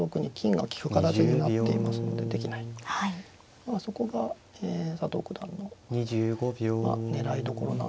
まあそこが佐藤九段の狙いどころなんですね。